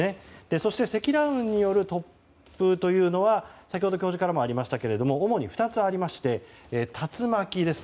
そして積乱雲による突風というのは先ほど教授からもありましたが主に２つありまして竜巻です。